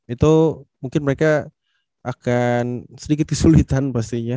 itu mungkin mereka akan sedikit kesulitan pastinya